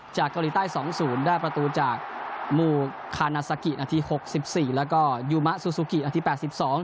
จากเกาหลีใต้๒ศูนย์ได้ประตูจากมู่คานาซากิอันที่๖๔แล้วก็ยูมะซูซูกิอันที่๘๒